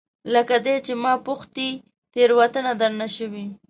لکه دی چې ما پوښتي، تیروتنه درنه شوې؟